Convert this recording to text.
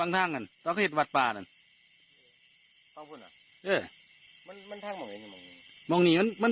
ทางธรรมดาเนี่ย